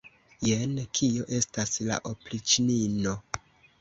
Jen kio estas la opriĉnino!